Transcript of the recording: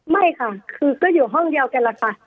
ไม่ค่ะคือก็อยู่ห้องเดียวกันแหละค่ะ